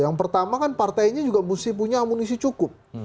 yang pertama kan partainya juga mesti punya amunisi cukup